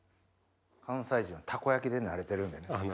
関西人はたこ焼きで慣れてるんでね。